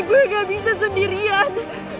gue gak bisa sendirian